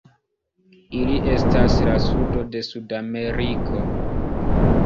Ili estas la sudo de Sudameriko.